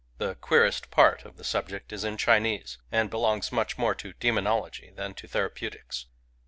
The queerest part of the sub ject is Chinese, and belongs much more to demonology than to therapeutics.